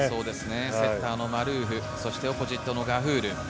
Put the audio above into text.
セッターのマルーフとオポジットのガフール。